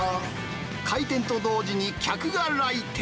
開店と同時に客が来店。